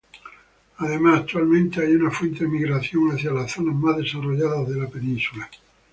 Además, actualmente hay una fuerte emigración hacia las zonas más desarrolladas de la península.